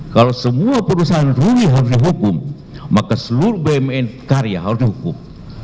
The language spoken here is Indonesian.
kalau semua perusahaan rugi harus dihukum maka seluruh bumn karya harus dihukum